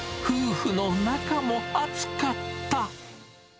夫婦の仲も熱かった。